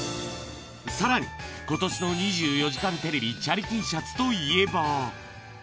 さらに、ことしの２４時間テレビチャリＴシャツといえば。